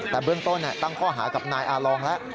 แต่เบื้องต้นตั้งข้อหากับนายอาลองแล้ว